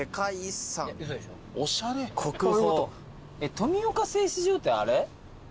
富岡製糸場ってあれ？